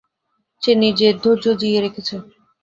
সে নিজের ধৈর্য জিইয়ে রেখেছে।